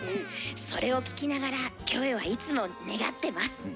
それを聴きながらキョエはいつも願ってます。